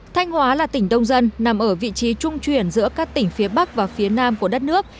thanh hóa là tỉnh đông dân nằm ở vị trí trung chuyển giữa các tỉnh phía bắc và phía nam của đất nước